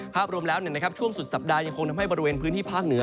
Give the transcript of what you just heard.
ภาพรวมแล้วช่วงสุดสัปดาห์ยังคงทำให้บริเวณพื้นที่ภาคเหนือ